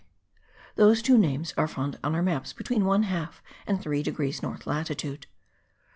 Those two names are found on our maps between 1/2 and 3 degrees north latitude.